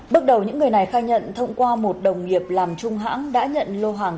bước đầu những người này khai nhận thông qua một đồng nghiệp làm trung hãng đã nhận lô hàng